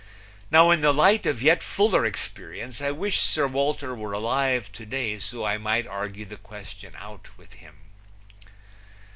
Now in the light of yet fuller experience I wish Sir Walter were alive to day so I might argue the question out with him.